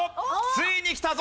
ついにきたぞ。